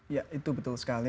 ya itu betul sekali